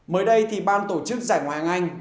mới đây thì ban tổ chức giải ngoại anh